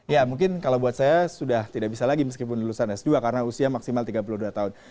ya mungkin kalau buat saya sudah tidak bisa lagi meskipun lulusan s dua karena usia maksimal tiga puluh dua tahun